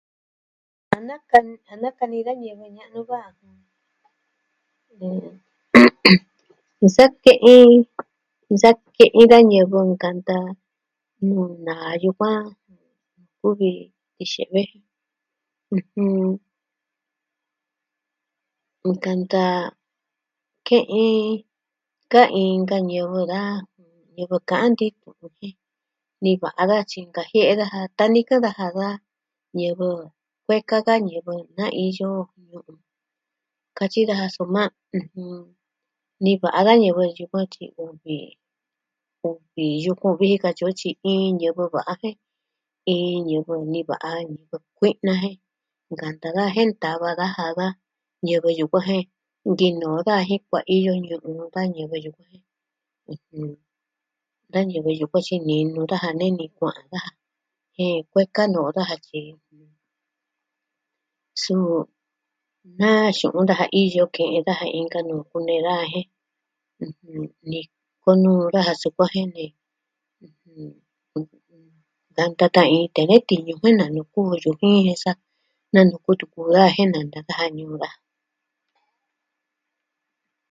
A naka... a nakani da ñivɨ ña'nu ka. Nsa ke'in, nsa ke'in da ñivɨ nkanta nuu naa yukuan kuvi Tiixe've. ɨjɨn... Nkanta ke'in ka inka ñivɨ da ñivɨ ka'an nti'in tu'un. Niva'a daja tyi nkajie'e daja tanikɨn daja, da ñivɨ kueka ka, ñivɨ na iyo ñu'un, katyi daja soma niva'a da ñivɨ yukuan tyi uvi... uvi yukun vi ji katyi o tyi iin ñivɨ va'a jen iin ñivɨ niva'a, ñivɨ kui'na jen nkanta daja jen ntava daja da ñivɨ yukuan jen nkinoo daja jen kuaiyo ñivɨ nuu kaa ñivɨ yukuan. Da ñivɨ yukuan tyi ninu daja neni kua'an daja jen kueka no'o daja tyi... suu Na xu'un daja iyo ke'en daja inka nuu kunee daja jen... ɨjɨn... nikonuu daja sukuan jen nee... kanta tan iin tee nee tiñu jen nanuku ju yujin jen sa nanuku tuku ju daja jen nanta daja ñuu daja.